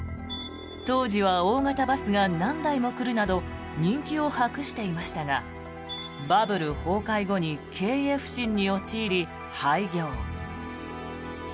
当時は大型バスが何台も来るなど人気を博していましたがバブル崩壊後に経営不振に陥り廃業。